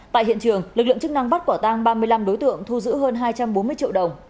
tại hiện trường lực lượng chức năng bắt quả tang ba mươi năm đối tượng thu giữ hơn hai trăm bốn mươi triệu đồng